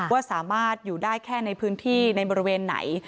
ว่าสามารถอยู่ได้แค่ในพื้นที่ในบริเวณไหน